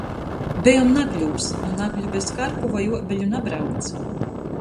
Bejom Nagļūs. Nu Nagļu bez karpu voi uobeļu nabrauc.